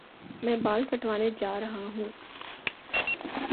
میں بال کٹوانے جا رہا ہوں